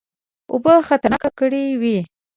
اوبه خطرناکه کړي وې.